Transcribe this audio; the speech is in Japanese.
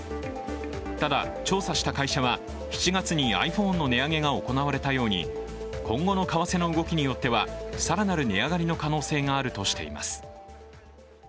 ただ、調査した会社は７月にｉＰｈｏｎｅの値上げが行われたように今後の為替の動きによっては更なる値上がりの可能性があるとしています。